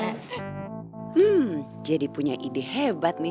hmm jadi punya ide hebat nih